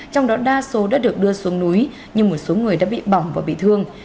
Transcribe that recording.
trong đó đa số đã được đưa xuống núi nhưng một số người đã bị bỏng và bị thương